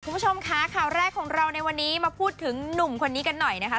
คุณผู้ชมค่ะข่าวแรกของเราในวันนี้มาพูดถึงหนุ่มคนนี้กันหน่อยนะคะ